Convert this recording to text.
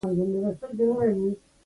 د سمندر سپینې، سندرې وایې